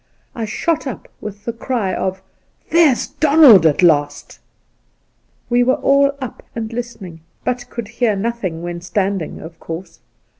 I shot up with the cry of, * There's Donald at last I' We were all up and listening, but could hear nothing when standing, of course.